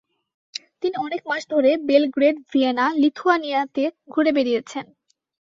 তিনি অনেক মাস ধরে বেলগ্রেড, ভিয়েনা, লিথুয়ানিয়াতে ঘুরে বেড়িয়েছেন।